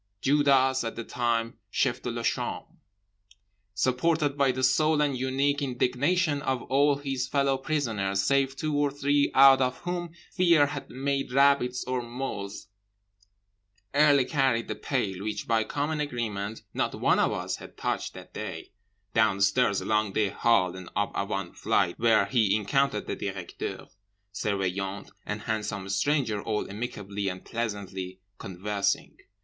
Judas (at the time chef de chambre) supported by the sole and unique indignation of all his fellow prisoners save two or three out of whom Fear had made rabbits or moles, early carried the pail (which by common agreement not one of us had touched that day) downstairs, along the hall, and up one flight—where he encountered the Directeur, Surveillant and Handsome Stranger all amicably and pleasantly conversing.